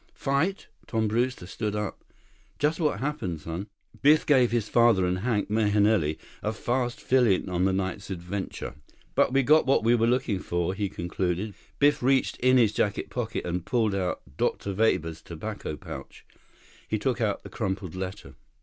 "Fight?" Tom Brewster stood up. "Just what happened, son?" Biff gave his father and Hank Mahenili a fast fill in on the night's adventure. "But we got what we were looking for," he concluded. Biff reached in his jacket pocket and pulled out Dr. Weber's tobacco pouch. He took out the crumpled letter.